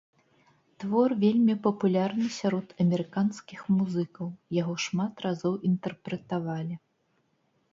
Твор вельмі папулярны сярод амерыканскіх музыкаў, яго шмат разоў інтэрпрэтавалі.